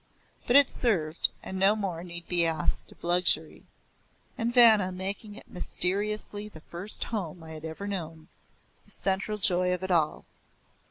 But it served, and no more need be asked of luxury. And Vanna, making it mysteriously the first home I ever had known, the central joy of it all.